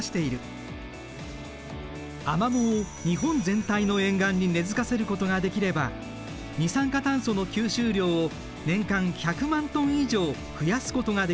アマモを日本全体の沿岸に根づかせることができれば二酸化炭素の吸収量を年間１００万トン以上増やすことができるという。